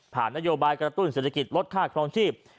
นโยบายกระตุ้นเศรษฐกิจลดค่าครองชีพ